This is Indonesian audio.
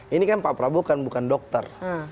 ini kan pak prabowo bukan dokter